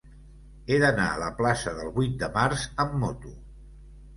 He d'anar a la plaça del Vuit de Març amb moto.